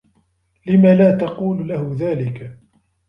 لم لا تقول له ذلك؟